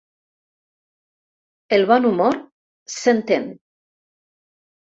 El bon humor, s'entén.